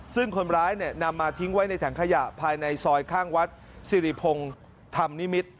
ซึ่งคนร้ายนำมาทิ้งไว้ในถังขยะภายในซอยข้างวัดสิริพงศ์ธรรมนิมิตร